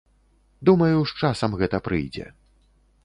Думаю, з часам гэта прыйдзе.